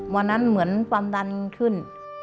วันนั้นเหมือนความดันขึ้น